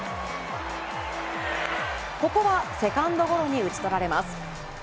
ここはセカンドゴロに打ち取られます。